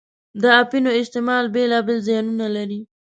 د اپینو استعمال بېلا بېل زیانونه لري.